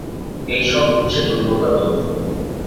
এই-সব হচ্ছে দুর্বলতার লক্ষণ।